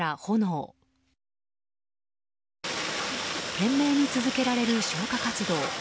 懸命に続けられる消火活動。